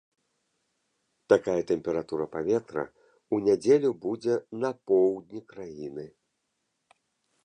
Такая тэмпература паветра ў нядзелю будзе на поўдні краіны.